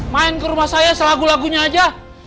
main ke rumah saya selagu lagunya aja